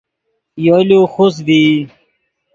یولو خوست ڤئی